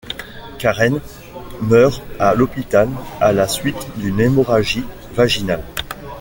Karen meurt à l'hôpital à la suite d'une hémorragie vaginale.